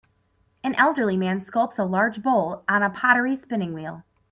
An elderly man sculpts a large bowl on a pottery spinning wheel.